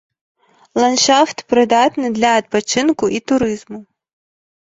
Ландшафт прыдатны для адпачынку і турызму.